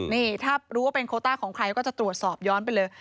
นี่ถ้ารู้ว่าเป็นโคต้าของใครก็จะตรวจสอบย้อนไปเลย